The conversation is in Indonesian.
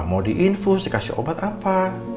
mau diinfus dikasih obat apa